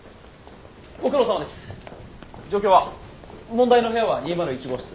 問題の部屋は２０１号室。